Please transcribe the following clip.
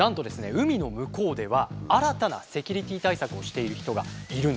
海の向こうでは新たなセキュリティー対策をしている人がいるんです。